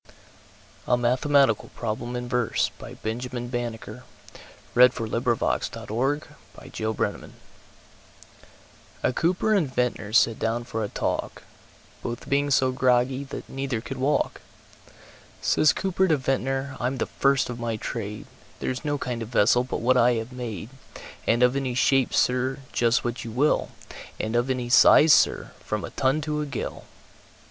A Mathematical Problem in Verse A COOPER and Vintner sat down for a talk, Both being so groggy, that neither could walk, Says Cooper to Vintner, "I'm the first of my trade, There's no kind of vessel, but what I have made, And of any shpe, Sir, just what you will, And of any size, Sir, from a ton to a gill!"